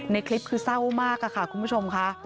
ในคลิปคือเศร้ามากค่ะคุณผู้ชมค่ะ